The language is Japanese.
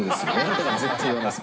だから絶対言わないです。